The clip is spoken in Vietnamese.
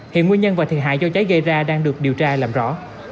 hiện nguyên nhân và thiệt hại do cháy gây ra đang được điều tra làm rõ